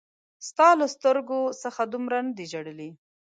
ستا له سترګو څخه دومره نه دي ژړلي